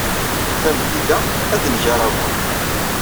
Tameddit-a, ad d-neg aṛabul.